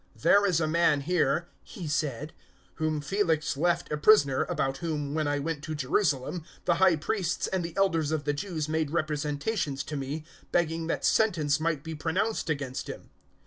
"There is a man here," he said, "whom Felix left a prisoner, 025:015 about whom, when I went to Jerusalem, the High Priests and the Elders of the Jews made representations to me, begging that sentence might be pronounced against him.